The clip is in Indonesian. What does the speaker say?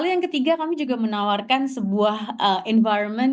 lalu yang ketiga kami juga menawarkan sebuah environment